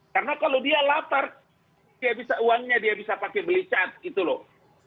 karena kalau dia lapar uangnya dia bisa pakai beli cat gitu loh